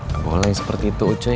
gak boleh seperti itu aja